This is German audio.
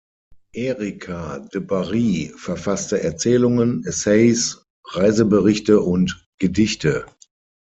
Erica de Bary verfasste Erzählungen, Essays, Reiseberichte und Gedichte.